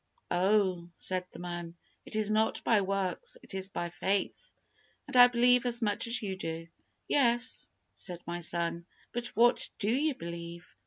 "Oh!" said the man, "it is not by works, it is by faith, and I believe as much as you do." "Yes," said my son, "but what do you believe?"